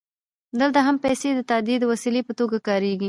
دلته هم پیسې د تادیې د وسیلې په توګه کارېږي